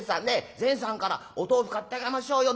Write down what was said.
善さんからお豆腐買ってあげましょうよ」。